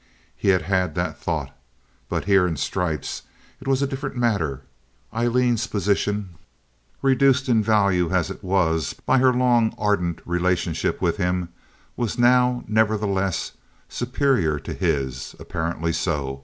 He had had that thought. But here, in stripes, it was a different matter. Aileen's position, reduced in value as it was by her long, ardent relationship with him, was now, nevertheless, superior to his—apparently so.